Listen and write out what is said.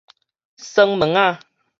耍物仔